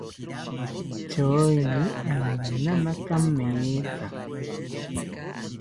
Choeni aminana kametha